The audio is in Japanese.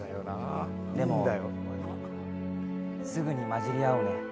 でも、すぐに混じり合うね。